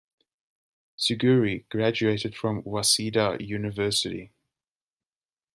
Suguri graduated from Waseda University.